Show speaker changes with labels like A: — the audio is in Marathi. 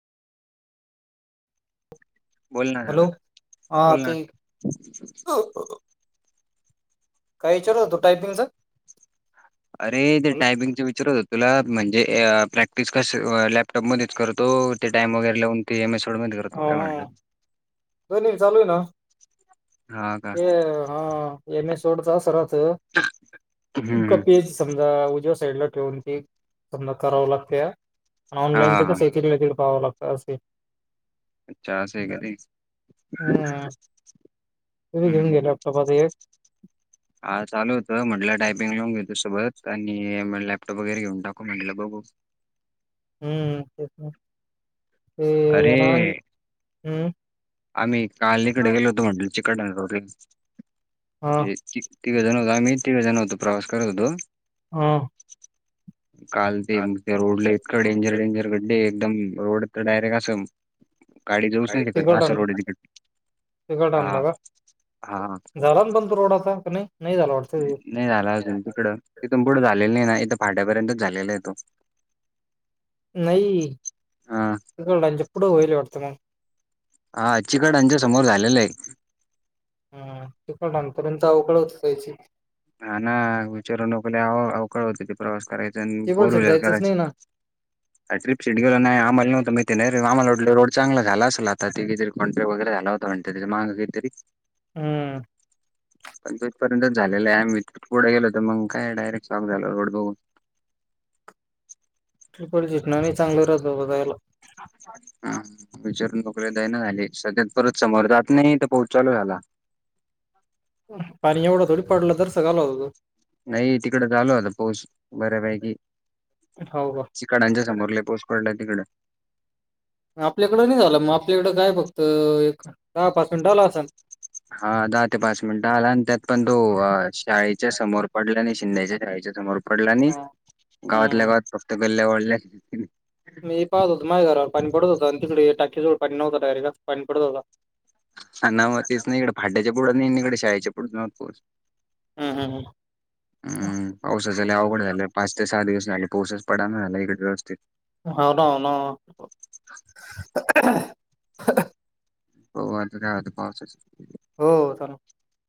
A: बोल ना
B: हॅलो,,
A: सागर
B: हा
A: बोल ना
B: तेऽ काय विचारत होतो टायपिंगच?
A: अरे ते
B: हॅलो
A: टायपिंगच विचारत होतो तुला,, म्हणजे प्रॅक्टिस कसऽऽ टब मध्येच करतो,, ते टाइम वगैरे लावूनऽ [unintelligible] करतो
B: हा
A: काय म्हटलं
B: हा.
A: हा का
B: हे हा एम ए सोडच अस राहत,
A: हम्म हम्म.
B: कपीज समजा उजव्या साईडला ठेवून की समजा कराव लागत्या
A: हा
B: ऑनलाईन
A: हा
B: च
A: हा
B: कसयं तिथल्या तिथं पाहावं लागतंय असय
A: अच्छा असय का ते?
B: तुही
A: हम्म
B: घेऊन घे
A: हम्म.
B: लॅपटॉप आता एक
A: हा चालू होतं, म्हटलं टायपिंग लावून घेतो सोबत, आणि लॅपटॉप वगैरे घेऊन टाकू, म्हटलं बघू
B: हम्म ठीक आहे, ते
A: अरे
B: येणार, हम्म
A: आम्ही काललीकडे
B: हा
A: गेलो होतो म्हंटल चिकट [unintelligible] तिघे जण होतो आम्ही, तिघ जण होतो प्रवास करत होतो
B: हा.
A: काल ते मग त्या रोडला एका डेंजर, डेंजर गड्डे, एकदम रोड तर डायरेक्ट अस, गाडी जाऊच नाही शकत
B: तिकट
A: असा
B: आणलं
A: रोड हाय तिकडे,
B: तिकट
A: हा
B: आणला का
A: हा
B: झाला पण तो रोड आता का नाही? नाही झाला वाटतं
A: नाही झाला अजून तिकडं, तिथून पुढं झालेलं नाही ना, इथं फाट्यापर्यंतच झालेला आहे तो
B: नाही,
A: हा
B: [unintelligible] पुढ होईल वाटत म
A: हा, चिकडआच्या समोर झालेलं आहे.
B: हा तिकडांपर्यंत अवगड होत कायची
A: हा ना, विचारून नको लय अवघड होते ते प्रवास करायचा, आणि फोर व्हीलर करायच
B: फ
A: का ट्रिपल शिट गेलो नाही, आम्हाला नव्हत माहिती नाही रे, आमला रोड चांगला झाला असेल आता [unintelligible] कोंट्रि वगैरे झाला होता म्हण मागे काहीतरी
B: हम्म.
A: पण तुथपर्यंत झालेलं आहे, आम्ही पुढे गेलो तर मग काय डायरेक्ट शॉक झालो रोड बघून
B: तिथ कोण दिसणार नाय चांगलं राहत बघायला.
A: हम्म. विचारून मोकळे दय ना झाले, सध्यात परत समोर जात नाही तर पाउस चालू झाला
B: पाणी एवढं थोडी पडलं तर सगळं [unintelligible]
A: नाही तिकड चालू होता पाऊस बऱ्यापैकी
B: हो का?
A: चिकाडांच्या समोर लय पाऊस पडलाय तिकडं
B: आपल्याकडं नाही झाला मग, आपल्याकडें काय फक्त, एक दहा पाच मिनिट आला असंल
A: हा, दहा ते पाच मिनिट आला आणि त्यात पण तो शाळेच्या समोर पडला नाय शिंद्याच्या शाळेच्या समोर पडला नाही, गावातल्या
B: हम्म.
A: गावात फक्त गल्ल्या ओल्या
B: मी पाहत होत माझ घरावर पाणी पडत होत आणि तिकडे टाकीजवळ पाणी नव्हं डा यरेक्ट पाणी पडत होत
A: हा नाव तेच नाही इकडे फाट्याच्या पुढं नाही अन इकडे शाळेचे पुढं नवतोच
B: हम्म हम्म
A: हम्म पावसाच लय अवघड झालंय पाच ते सहा दिवस झाले पाऊसच पड ना लय व्यवस्थित
B: होन न
A: हो [unintelligible]
B: हो.